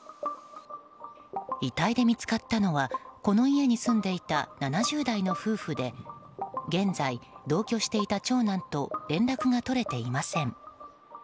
遺体で見つかったのは、この家に住んでいた７０代の夫婦で現在、同居していた長男と連絡が取れていません。